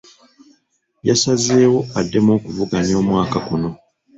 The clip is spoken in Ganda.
Yasazeewo addemu okuvuganya omwaka gunno.